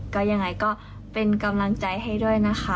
ก็ยังไงก็เป็นกำลังใจให้ด้วยนะคะ